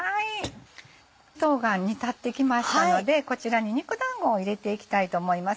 冬瓜煮立ってきましたのでこちらに肉だんごを入れていきたいと思います。